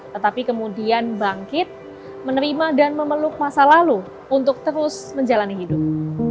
tetapi kemudian bangkit menerima dan memeluk masa lalu untuk terus menjalani hidup